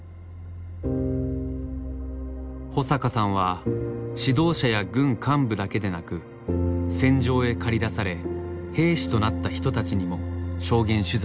保阪さんは指導者や軍幹部だけでなく戦場へ駆り出され兵士となった人たちにも証言取材を続けます。